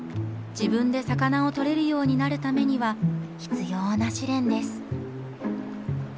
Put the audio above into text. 自分で魚を取れるようになるためには必要な試練です。